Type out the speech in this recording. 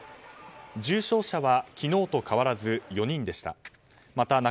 重症者は昨日と変わらず４人でした。